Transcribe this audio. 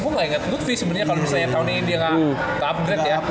gue gak inget ludwig sebenernya kalau misalnya tahun ini dia gak upgrade ya